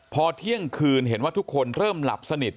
พอเที่ยงคืนเห็นว่าทุกคนเริ่มหลับสนิท